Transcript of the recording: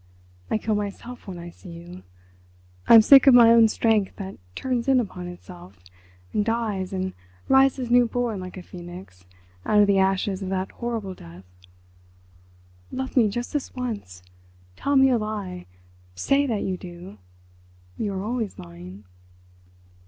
I kill myself when I see you—I'm sick of my own strength that turns in upon itself, and dies, and rises new born like a Phœnix out of the ashes of that horrible death. Love me just this once, tell me a lie, say that you do—you are always lying."